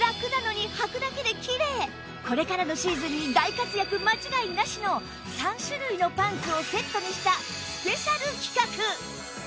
これからのシーズンに大活躍間違いなしの３種類のパンツをセットにしたスペシャル企画！